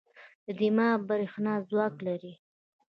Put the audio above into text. دماغ برېښنا ځواک لري.